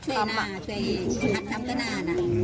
ช่วยหักทำก็นาน